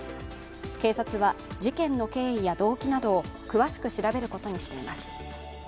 警察は、事件の経緯や動機などを詳しく調べることにしています。